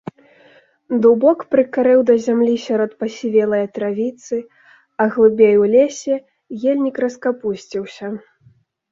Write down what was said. Дубок прыкарэў да зямлі сярод пасівелае травіцы, а глыбей у лесе ельнік раскапусціўся.